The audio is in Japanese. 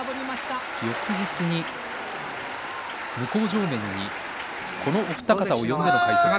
翌日に向正面にこのお二方を呼んでいます。